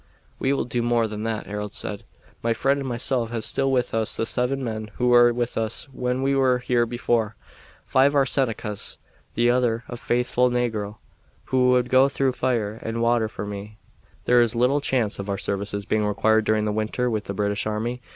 "We will do more, than that," Harold said. "My friend and myself have still with us the seven men who were with us when we were here before. Five are Senecas, the other a faithful negro who would go through fire and water for me. There is little chance of our services being required during the winter with the British army.